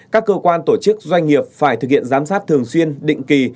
các cơ quan tổ chức doanh nghiệp phải thực hiện giám sát thường xuyên định kỳ